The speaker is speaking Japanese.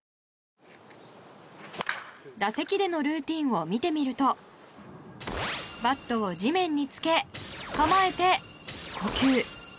打席でのルーティンを見てみるとバットを地面につけ構えて、呼吸。